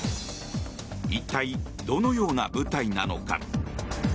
一体、どのような部隊なのか。